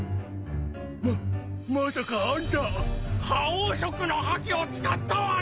ままさかあんた覇王色の覇気を使ったワニ？